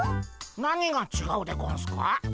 何がちがうでゴンスか？